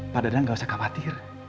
pak dadang gak usah khawatir